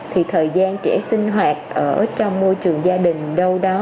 thì thời gian trẻ sinh hoạt ở trong môi trường gia đình đâu đó